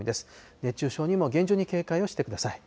熱中症にも厳重に警戒をしてください。